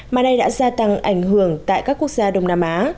mà nay đã gia tăng ảnh hưởng tại các quốc gia đông nam á